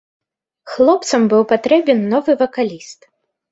Хлопцам быў патрэбен новы вакаліст.